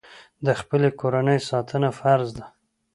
د خپلې کورنۍ ساتنه فرض ده.